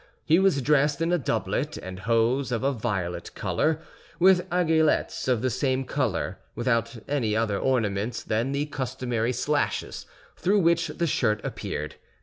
He was dressed in a doublet and hose of a violet color, with aiguillettes of the same color, without any other ornaments than the customary slashes, through which the shirt appeared.